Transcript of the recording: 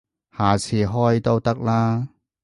下次開都得啦